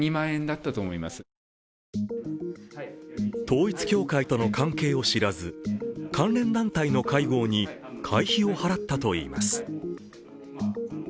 統一教会との関係を知らず関連団体の会合に会費を払ったといいます。